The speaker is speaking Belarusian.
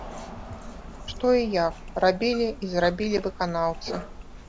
Што і як рабілі і зрабілі выканаўцы.